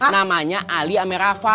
namanya ali amer rafa